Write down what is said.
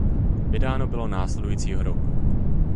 Vydáno bylo následujícího roku.